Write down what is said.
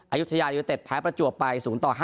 อายุทยายุทธแพ้ประจวบไป๐๕